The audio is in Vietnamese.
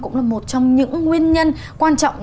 cũng là một trong những nguyên nhân quan trọng